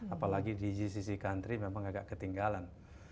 apalagi di gcc country memang agak ketinggalan